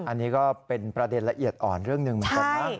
อันนี้ก็เป็นประเด็นละเอียดอ่อนเรื่องหนึ่งเหมือนกันนะ